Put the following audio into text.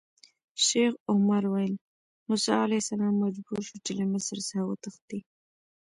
شیخ عمر ویل: موسی علیه السلام مجبور شو چې له مصر څخه وتښتي.